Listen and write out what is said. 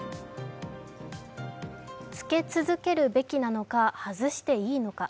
着け続けるべきなのか、外していいのか。